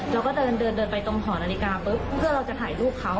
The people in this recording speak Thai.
เราก็เดินเดินไปตรงหอนาฬิกาปุ๊บเพื่อเราจะถ่ายรูปเขา